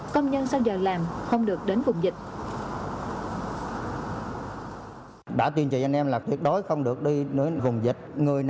công nhân sau giờ làm không được đến vùng dịch